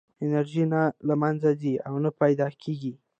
انرژي نه له منځه ځي او نه پیدا کېږي.